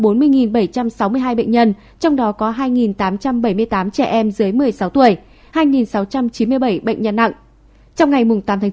trong đó có bốn mươi bảy trăm sáu mươi hai bệnh nhân trong đó có hai tám trăm bảy mươi tám trẻ em dưới một mươi sáu tuổi hai sáu trăm chín mươi bảy bệnh nhân nặng